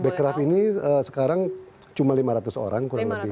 becraf ini sekarang cuma lima ratus orang kurang lebih